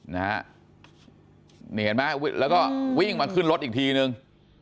นี่เห็นไหมแล้วก็วิ่งมาขึ้นรถอีกทีนึง